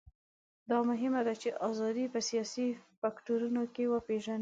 دا مهمه ده چې ازادي په سیاسي فکټورونو کې وپېژنو.